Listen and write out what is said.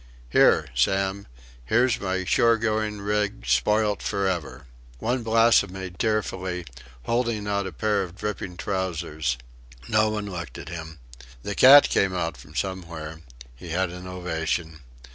"Here! Sam! Here's my shore going rig spoilt for ever." One blasphemed tearfully, holding up a pair of dripping trousers. No one looked at him. The cat came out from somewhere. He had an ovation.